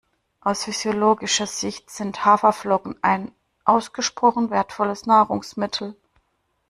Aus physiologischer Sicht sind Haferflocken ein ausgesprochen wertvolles Nahrungsmittel.